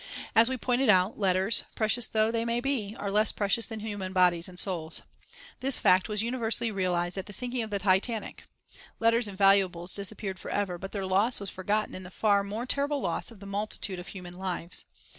As we pointed out, letters, precious though they may be, are less precious than human bodies and souls. This fact was universally realised at the sinking of the Titanic. Letters and valuables disappeared forever, but their loss was forgotten in the far more terrible loss of the multitude of human lives.